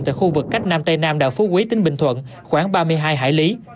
tại khu vực cách nam tây nam đảo phú quý tỉnh bình thuận khoảng ba mươi hai hải lý